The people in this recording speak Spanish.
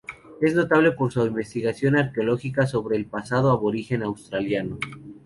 Es notable por su investigación arqueológica sobre el pasado aborigen australiano.